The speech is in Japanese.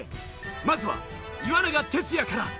まずは岩永徹也から。